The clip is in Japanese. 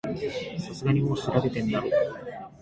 さすがにもう調べてんだろ